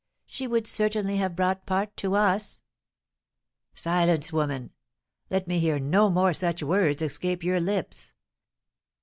She would certainly have brought part to us." "Silence, woman! Let me hear no more such words escape your lips.